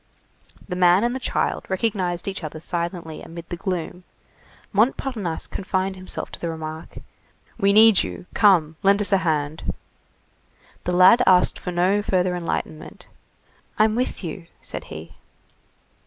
The man and the child recognized each other silently amid the gloom: Montparnasse confined himself to the remark:— "We need you. Come, lend us a hand." The lad asked for no further enlightenment. "I'm with you," said he.